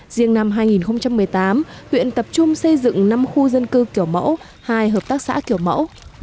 riêng năm hai nghìn một mươi tám huyện tập trung xây dựng năm khu dân cư kiểu mẫu hai hợp tác xã kiểu mẫu